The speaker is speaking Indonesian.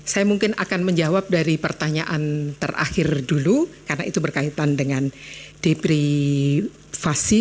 saya mungkin akan menjawab dari pertanyaan terakhir dulu karena itu berkaitan dengan depresi